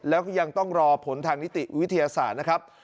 แล้วก็ยังต้องรอผลทางนิติวิทยาศาสตร์นะครับ